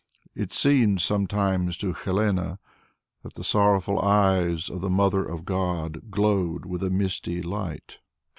It seemed sometimes to Helene that the sorrowful eyes of the Mother of God glowed with a misty light.